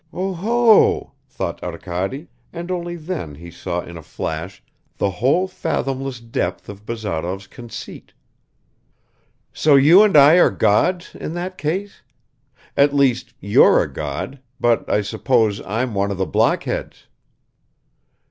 "Oho!" thought Arkady, and only then he saw in a flash the whole fathomless depth of Bazarov's conceit. "So you and I are gods, in that case? At least, you're a god, but I suppose I'm one of the blockheads."